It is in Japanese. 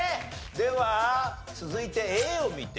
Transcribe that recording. では続いてＡを見てみましょう。